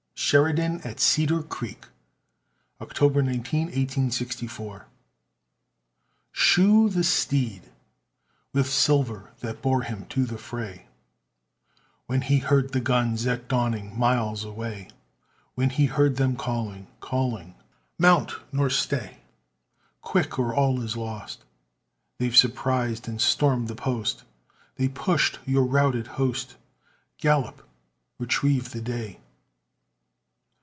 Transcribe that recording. SHERIDAN AT CEDAR CREEK [October 19, 1864] Shoe the steed with silver That bore him to the fray, When he heard the guns at dawning Miles away; When he heard them calling, calling Mount! nor stay: Quick, or all is lost; They've surprised and stormed the post, They push your routed host Gallop! retrieve the day.